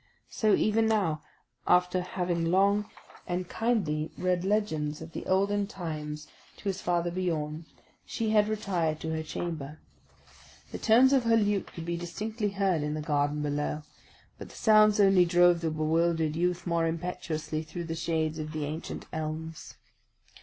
So even now, after having long and kindly read legends of the olden times to his father Biorn, she had retired to her chamber. The tones of her lute could be distinctly heard in the garden below; but the sounds only drove the bewildered youth more impetuously through the shades of the ancient elms.